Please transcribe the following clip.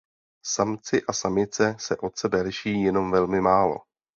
Samci a samice se od sebe liší jenom velmi málo.